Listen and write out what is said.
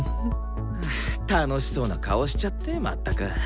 楽しそうな顔しちゃってまったく。